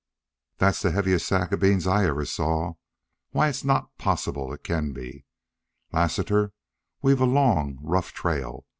"That's the heaviest sack of beans I ever saw. Why it's not possible it can be.... Lassiter, we've a long, rough trail.